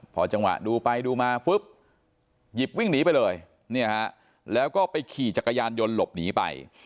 พอจังหวะดูไปดูมาปุ๊บหยิบวิ่งหนีไปเลยแล้วก็ไปขี่จักรยานยนต์หลบหนีไป